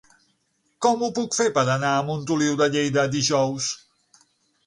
Com ho puc fer per anar a Montoliu de Lleida dijous?